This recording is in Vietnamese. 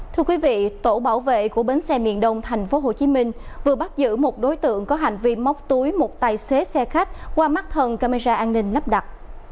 thưa quý vị tổ bảo vệ của bến xe miền đông tp hcm vừa bắt giữ một đối tượng có hành vi móc túi một tài xế xe khách qua mắt thần camera an ninh nắp đặt